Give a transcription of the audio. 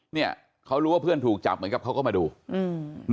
เนี่ยเขารู้ว่าเพื่อนถูกจับเหมือนกับเขาก็มาดูอืม